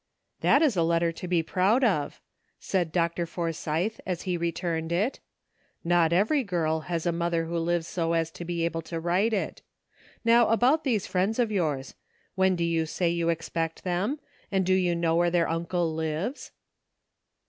THAT is a letter to be proud of," said Dr. Forsythe, as he returned it; ''not every girl has a mother who lives so as to be able to write it. Now about these friends of yours. When do you say you expect them? and do you know where their uncle lives